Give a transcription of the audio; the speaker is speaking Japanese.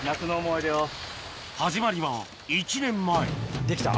始まりは１年前できた？